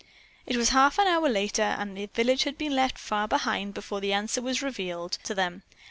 It was half an hour later, and the village had been left far behind before the answer was revealed to them.